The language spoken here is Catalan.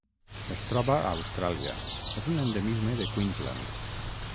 Es troba a Austràlia: és un endemisme de Queensland.